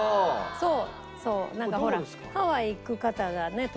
そう。